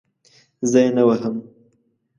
زه یې نه وهم.